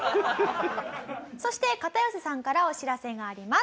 そして片寄さんからお知らせがあります。